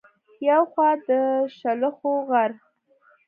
يو خوا د شلخو غر